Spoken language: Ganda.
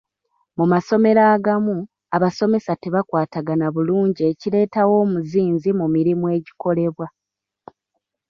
Mu masomero agamu, abasomesa tebakwatagana bulungi ekireetawo omuzinzi mu mirimu egikolebwa.